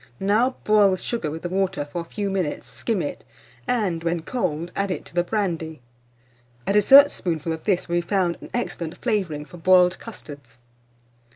Now boil the sugar with the water for a few minutes, skim it, and, when cold, add it to the brandy. A dessertspoonful of this will be found an excellent flavouring for boiled custards.